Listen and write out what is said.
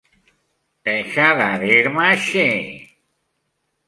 Deixa de dir-me així!